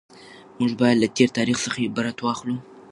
موږ باید له تېر تاریخ څخه عبرت واخلو.